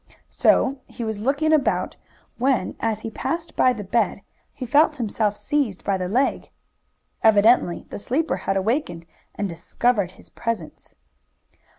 So he was looking about when, as he passed by the bed, he felt himself seized by the leg. Evidently the sleeper had awakened and discovered his presence.